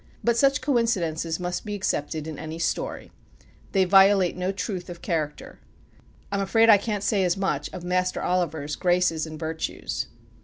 But such coincidences must be accepted in any story; they violate no truth of character. I am afraid I can't say as much of Master Oliver's graces and virtues.